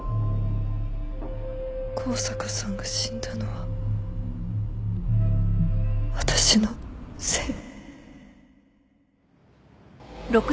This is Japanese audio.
香坂さんが死んだのは私のせい。